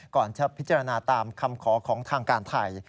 ก่อนจะพิจารณาตามคำขอของทางการไทย